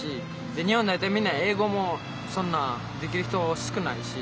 日本大体みんな英語もそんなできる人少ないし。